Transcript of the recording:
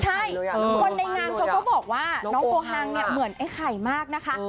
ใช่คนในงานเขาก็บอกว่าน้องโกฮังเนี่ยเหมือนไอ้ไข่มากนะคะ